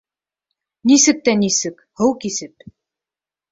— Нисек тә нисек, һыу кисеп.